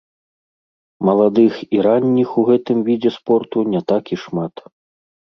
Маладых і ранніх у гэтым відзе спорту не так і шмат.